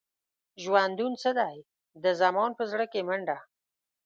ژوندون څه دی؟ د زمان په زړه کې منډه.